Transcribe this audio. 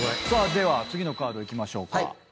さあでは次のカードいきましょうか。